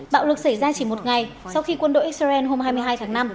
bạo lực xảy ra chỉ một ngày sau khi quân đội israel hôm hai mươi hai tháng năm